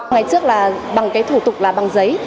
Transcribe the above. ngày trước là bằng cái thủ tục là bằng giấy